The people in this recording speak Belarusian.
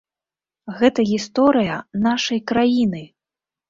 Гэта гісторыя нашай краіны!